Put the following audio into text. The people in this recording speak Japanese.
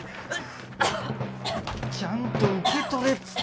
ちゃんと受け取れっつったろ？